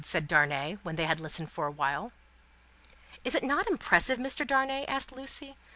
said Darnay, when they had listened for a while. "Is it not impressive, Mr. Darnay?" asked Lucie.